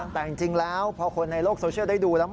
แต่จริงแล้วพอคนในโลกโซเชียลได้ดูแล้ว